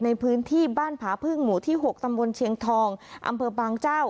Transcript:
ในพื้นที่บ้านผาพึ่งหมู่ที่๖ตำบลเชียงทองอำเภอบางเจ้า